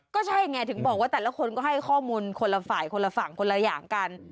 ก็ใช่ไงถึงบอกว่าแต่ละคนก็ให้ข้อมูลคนละฝ่ายคนละฝั่งคนละอย่างกัน